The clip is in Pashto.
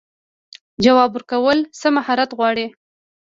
ځواب ورکول څه مهارت غواړي؟